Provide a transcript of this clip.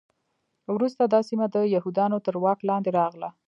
وروسته دا سیمه د یهودانو تر واک لاندې راغله.